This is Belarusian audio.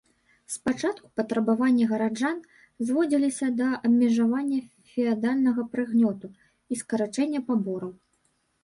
Спачатку патрабаванні гараджан зводзіліся да абмежавання феадальнага прыгнёту і скарачэння пабораў.